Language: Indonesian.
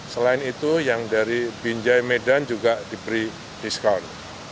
selain itu yang dari binjai medan juga diberi diskon